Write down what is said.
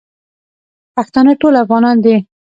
پښتانه ټول افغانان دي